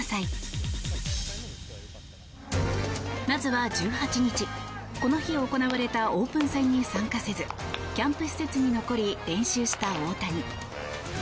まずは、１８日この日行われたオープン戦に参加せずキャンプ施設に残り練習した大谷。